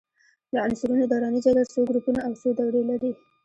د عنصرونو دوراني جدول څو ګروپونه او څو دورې لري؟